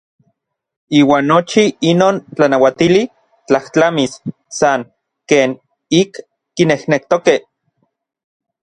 Iuan nochi inon tlanauatili tlajtlamis san ken ik kinejnektokej.